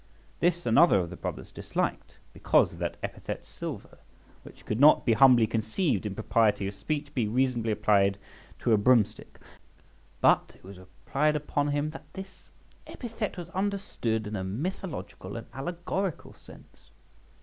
This another of the brothers disliked, because of that epithet silver, which could not, he humbly conceived, in propriety of speech be reasonably applied to a broom stick; but it was replied upon him that this epithet was understood in a mythological and allegorical sense.